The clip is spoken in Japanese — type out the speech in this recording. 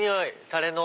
タレの。